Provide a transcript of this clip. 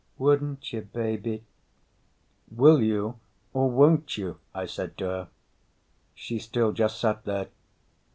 "Wouldn't you, baby?" "Will you or won't you?" I said to her. She still just sat there.